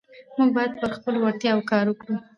موږ باید پر خپلو وړتیاوو کار وکړو